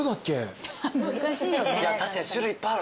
確かに種類いっぱいある。